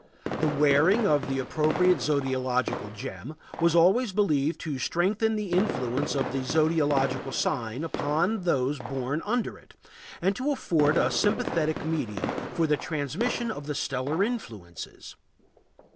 The wearing of the appropriate zodiacal gem was always believed to strengthen the influence of the zodiacal sign upon those born under it, and to afford a sympathetic medium for the transmission of the stellar influences.